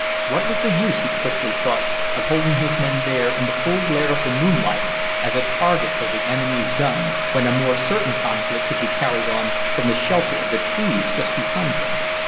What was the use, he quickly thought, of holding his men there in the full glare of the moonlight as a target for the enemy's guns, when a more certain conflict could be carried on from the shelter of the trees just behind him?